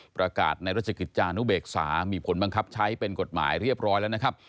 ประกาศในราชกิจจานุเบกษามีผลบังคับใช้เป็นกฎหมายเรียบร้อยแล้วนะครับ